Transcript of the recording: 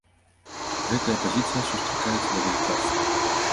Гэтая пазіцыя сустракаецца даволі часта.